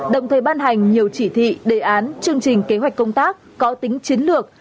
đồng thời ban hành nhiều chỉ thị đề án chương trình kế hoạch công tác có tính chiến lược